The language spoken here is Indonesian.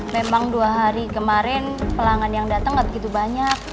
memang dua hari kemaren pelanggan yang dateng gak begitu banyak